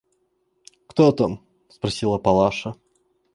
«Кто там?» – спросила Палаша.